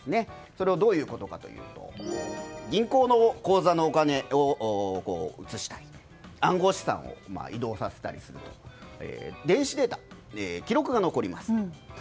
それはどういうことかというと銀行の口座のお金を移したい暗号資産を移動させたりすると電子データ、記録が残ります。